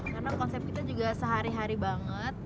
karena konsep kita juga sehari hari banget